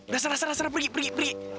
dah sana sana pergi pergi pergi